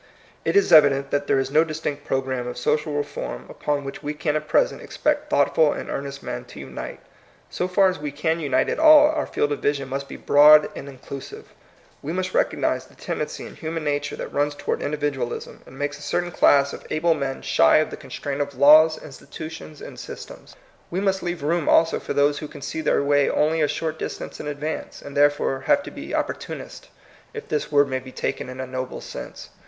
It is evident that there is no distinct program of social reform upon which we can at present expect thoughtful and ear nest men to unite. So far as we can unite at all, our field of vision must be broad and inclusive. We must recognize the tendency in human nature that runs toward individ ualism, and makes a certain class of able 174 THE COMING PEOPLE. men shy of the constraint of laws, institu tions, and systems. We must leave room also for those who can see their way only a short distance in advance, and therefore have to be "opportunists," if this word may be taken in a noble sense.